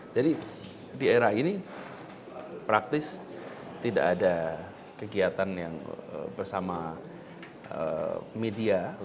jadi di era ini praktis tidak ada kegiatan yang bersama media